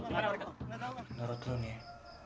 menurut lu nih